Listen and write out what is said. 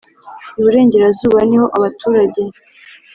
Iburengerazuba niho abaturage